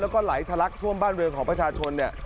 แล้วก็ไหลทะลักท่วมบ้านเรือนของประชาชนเนี่ย